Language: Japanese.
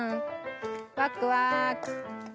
ワクワク。